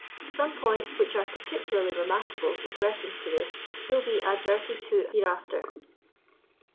Some points, which are particularly remarkable with reference to this, will be adverted to hereafter.